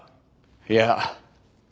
いや。